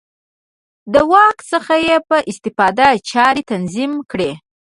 له واک څخه یې په استفادې چارې تنظیم کړې.